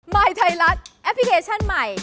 ยไทยรัฐแอปพลิเคชันใหม่